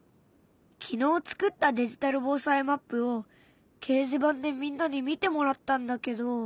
昨日作ったデジタル防災マップを掲示板でみんなに見てもらったんだけど。